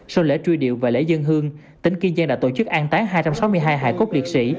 sau lễ truy điệu và lễ dân hương tỉnh kiên giang đã tổ chức an táng hai trăm sáu mươi hai hải cốt liệt sĩ